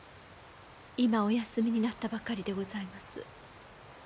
今お休みになったばかりでございます。